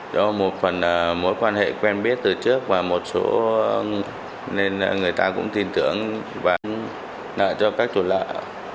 do một phần mối quan hệ quen biết từ trước và một số nên người ta cũng tin tưởng và nợ cho các chủ lợi